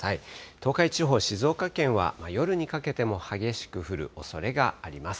東海地方、静岡県は夜にかけても激しく降るおそれがあります。